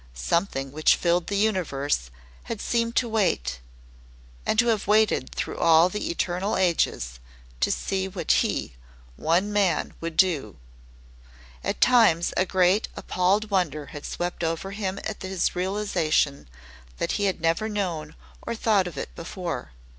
Something which filled the universe had seemed to wait, and to have waited through all the eternal ages, to see what he one man would do. At times a great appalled wonder had swept over him at his realization that he had never known or thought of it before.